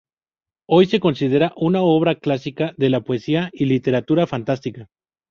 Hoy se considera una obra clásica de la poesía y literatura fantástica.